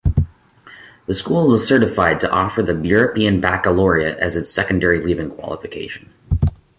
The school is certified to offer the European Baccalaureate as its secondary leaving qualification.